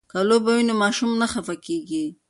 که لوبه وي نو ماشوم نه خفه کیږي.